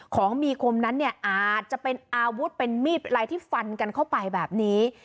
ของมีคมนั้นเนี่ยอาจจะเป็นอาวุธเป็นมีดอะไรที่ฟันกันเข้าไปแบบนี้